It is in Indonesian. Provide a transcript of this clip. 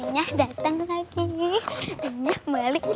nyah dateng lagi nyah balik lagi